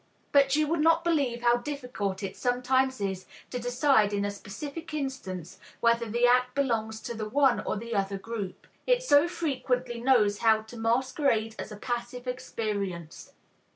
But you would not believe how difficult it sometimes is to decide in a specific instance whether the act belongs to the one or the other group. It so frequently knows how to masquerade as a passive experience.